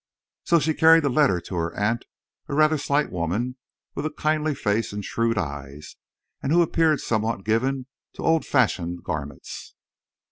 So she carried the letter to her aunt, a rather slight woman with a kindly face and shrewd eyes, and who appeared somewhat given to old fashioned garments.